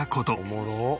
「おもろっ。